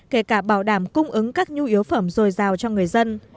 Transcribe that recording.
kể cả bảo đảm cung ứng các nhu yếu phẩm dồi dào cho người dân